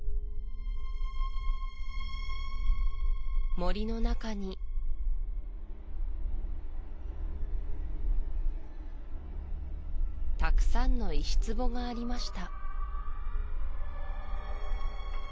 森の中にたくさんの石壺がありました